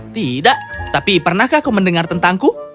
tidak tapi pernahkah kau mendengar tentangku